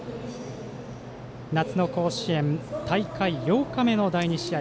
夏の甲子園大会８日目の第２試合。